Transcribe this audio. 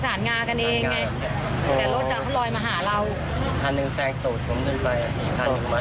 สารงากันเองไงแต่รถเขาลอยมาหาเรา